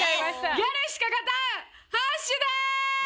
ギャルしか勝たん！ハッシュタグ！